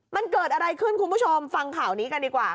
มันเกิดอะไรขึ้นคุณผู้ชมฟังข่าวนี้กันดีกว่า